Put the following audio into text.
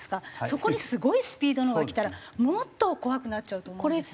そこにすごいスピードのが来たらもっと怖くなっちゃうと思うんですよね。